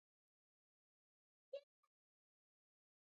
اودس کول فرض دي.